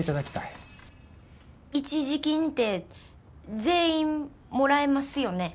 一時金って全員もらえますよね？